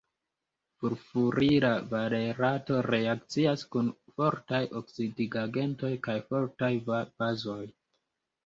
Furfurila valerato reakcias kun fortaj oksidigagentoj kaj fortaj bazoj.